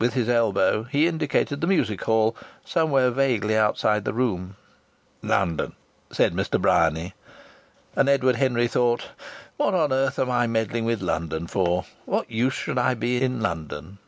With his elbow he indicated the music hall, somewhere vaguely outside the room. "London," said Mr. Bryany. And Edward Henry thought: "What on earth am I meddling with London for? What use should I be in London?"